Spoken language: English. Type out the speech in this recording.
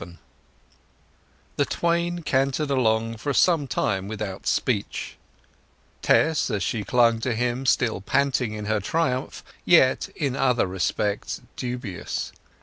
XI The twain cantered along for some time without speech, Tess as she clung to him still panting in her triumph, yet in other respects dubious.